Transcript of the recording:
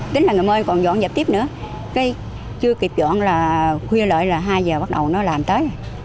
tính là ngày mơ còn dọn dẹp tiếp nữa chưa kịp dọn là khuya lợi là hai giờ bắt đầu nó làm tới